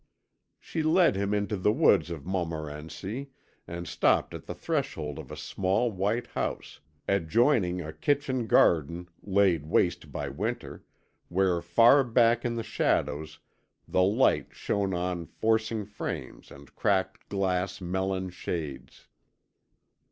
She led him into the woods of Montmorency and stopped at the threshold of a small white house, adjoining a kitchen garden, laid waste by winter, where far back in the shadows the light shone on forcing frames and cracked glass melon shades.